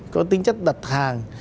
có tính chất đặt hàng